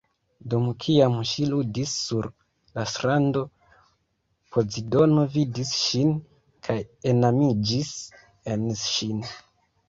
Dum kiam ŝi ludis sur la strando, Pozidono vidis ŝin, kaj enamiĝis en ŝin.